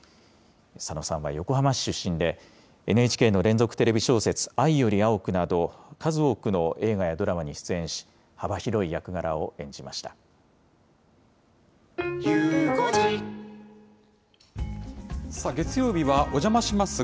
佐野さんは横浜市出身で、ＮＨＫの連続テレビ小説、藍より青くなど、数多くの映画やドラマに出演し、さあ、月曜日はおじゃまします！